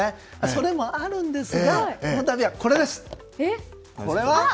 それもあるんですが今回は、これです。